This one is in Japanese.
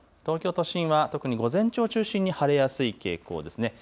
東京都心は特に午前中を中心に晴れやすい傾向ですね。